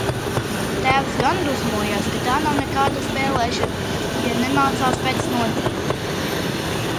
Tēvs gan dusmojās, ka tā nav nekāda spēlēšana, ja nemācās pēc notīm.